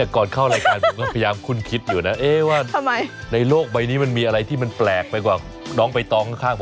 ก่อนเข้ารายการผมก็พยายามคุ้นคิดอยู่นะว่าทำไมในโลกใบนี้มันมีอะไรที่มันแปลกไปกว่าน้องใบตองข้างผม